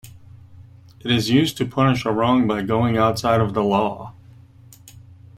It is used to punish a wrong by going outside of the law.